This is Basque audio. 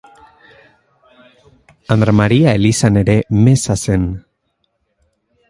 Andra Maria elizan ere meza zen.